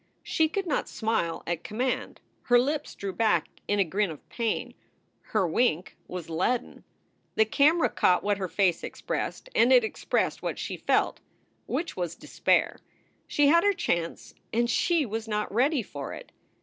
She could not smile at command. Her lips drew back in a grin of pain. Her wink was leaden. The camera caught what her face expressed and it expressed what she felt, which was despair. She had her chance and she was not ready for it.